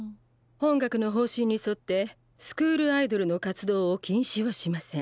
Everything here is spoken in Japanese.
本学の方針に沿ってスクールアイドルの活動を禁止はしません。